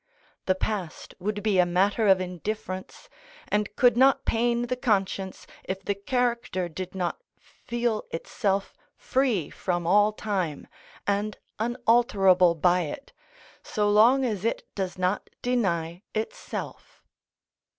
The past would be a matter of indifference, and could not pain the conscience if the character did not feel itself free from all time and unalterable by it, so long as it does not deny itself.